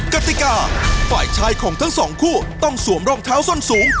กติกาฝ่ายชายของทั้งสองคู่ต้องสวมรองเท้าส้นสูง